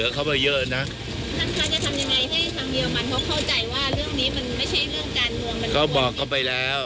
เขาบอกเขาไปแล้ว